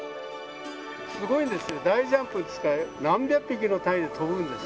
すごいんですよ、大ジャンプって、何百匹の単位で飛ぶんです。